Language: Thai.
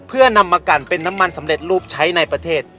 เพื่อนำมากันเป็นน้ำมันสำเร็จรูปใช้ในประเทศ